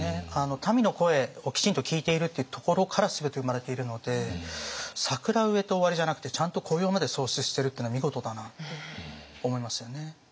民の声をきちんと聞いているっていうところから全て生まれているので桜植えて終わりじゃなくてちゃんと雇用まで創出してるっていうのは見事だなって思いますよね。